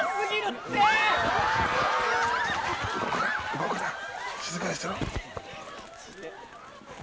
動くな、静かにしてろ。